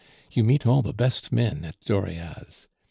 You meet all the best men at Dauriat's.